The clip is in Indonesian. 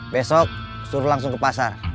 besok suruh langsung ke pasar